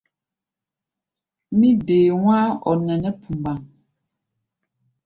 Mí dee wá̧á̧-ɔ-nɛnɛ́ pumbaŋ.